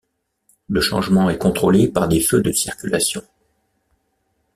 Le changement est contrôlé par des feux de circulation.